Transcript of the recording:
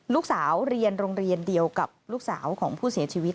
ลูกสาวเรียนโรงเรียนเดียวกับลูกสาวของผู้เสียชีวิต